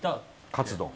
カツ丼。